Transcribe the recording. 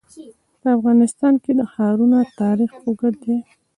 په افغانستان کې د ښارونه تاریخ اوږد دی.